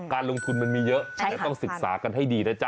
การลงทุนมันมีเยอะแต่ต้องศึกษากันให้ดีนะจ๊